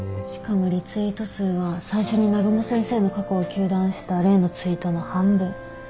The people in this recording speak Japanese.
しかもリツイート数は最初に南雲先生の過去を糾弾した例のツイートの半分。